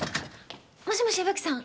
もしもし矢吹さん